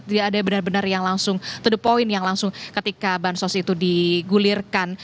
tidak ada yang benar benar yang langsung to the point yang langsung ketika bansos itu digulirkan